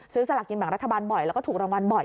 สละกินแบ่งรัฐบาลบ่อยแล้วก็ถูกรางวัลบ่อย